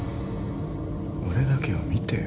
俺だけを見てよ。